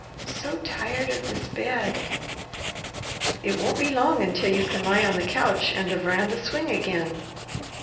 "So tired of this bed!" "It won't be long until you can lie on the couch and the veranda swing again."